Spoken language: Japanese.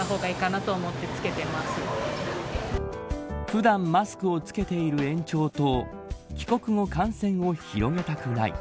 普段マスクを着けている延長と帰国後感染を広げたくない。